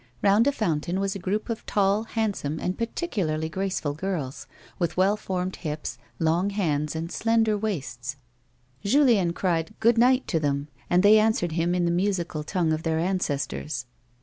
Round a fountain was a gi'oup of A WOMAN'S LIFE. 69 tall, handsome and particularly graceful girls, with well formed hips, long hands, and slender waists ; Julien cried "Good night" to them, and they answered him in the musical tongue of their ancestors.